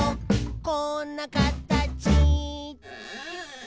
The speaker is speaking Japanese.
「こんなかたち」